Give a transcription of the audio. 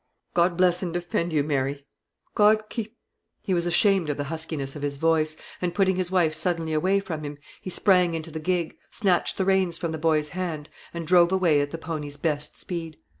"God bless and defend you, Mary! God keep " He was ashamed of the huskiness of his voice, and putting his wife suddenly away from him, he sprang into the gig, snatched the reins from the boy's hand, and drove away at the pony's best speed.